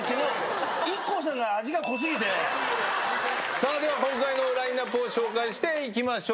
さぁ今回のラインアップを紹介していきましょう。